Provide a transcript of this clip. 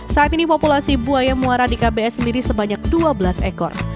saat ini populasi buaya muara di kbs sendiri sebanyak dua belas ekor